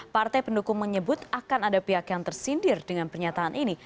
partai pendukung menyebut akan ada pihak yang tersindir dengan pernyataan ini